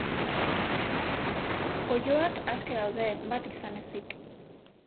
Oiloak aske daude, bat izan ezik.